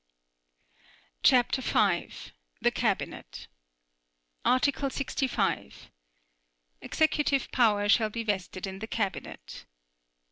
CHAPTER V. THE CABINET Article 65. Executive power shall be vested in the Cabinet.